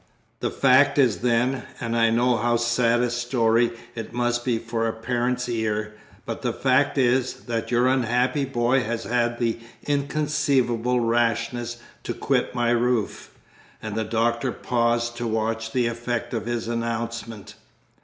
"The fact is then, and I know how sad a story it must be for a parent's ear, but the fact is, that your unhappy boy has had the inconceivable rashness to quit my roof." And the Doctor paused to watch the effect of his announcement.